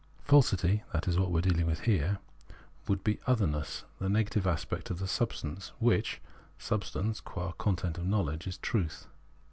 Falsity (that is what we are dealing with here) would be otlierness, the negative aspect of the substance, which [substance], qua content of knowledge, is truth.